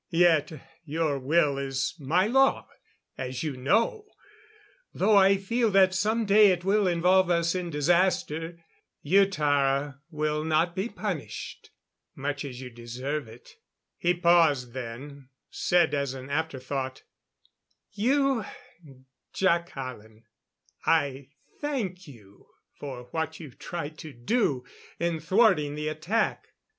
Yet your will is my law as you know though I feel that some day it will involve us in disaster.... You, Tara, will not be punished, much as you deserve it." He paused, then said as an afterthought: "You, Jac Hallen, I thank you for what you tried to do in thwarting the attack.